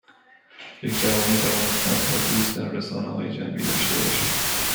یک جوان میتواند صدها دوست در رسانههای جمعی داشته باشد